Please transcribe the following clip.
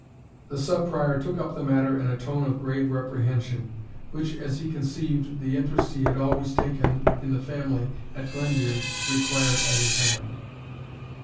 The Sub Prior took up the matter in a tone of grave reprehension, which, as he conceived, the interest he had always taken in the family at Glendearg required at his hand.